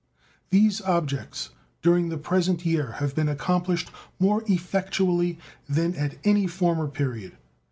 These objects during the present year have been accomplished more effectually than at any former period.